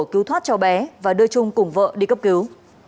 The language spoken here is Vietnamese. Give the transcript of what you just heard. cứu thoát cháu bé và đưa trung cùng vợ đi cấp cứu